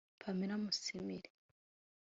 Pamela Musiimire